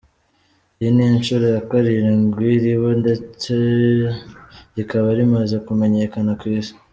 Iyi ni inshuro ya karindwi riba, ndetse rikaba rimaze kumenyekana ku Isi.